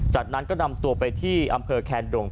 จากนั้นก็นำตัวไปที่อำเภอแคนดง